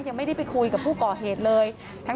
ยังไม่ได้ไปคุยกับผู้ก่อเหตุเลย